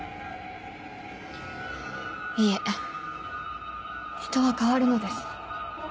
いえ人は変わるのです。